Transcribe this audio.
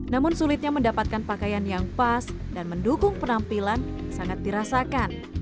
namun sulitnya mendapatkan pakaian yang pas dan mendukung penampilan sangat dirasakan